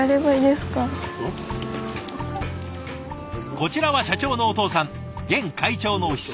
こちらは社長のお父さん現会長の久夫さん。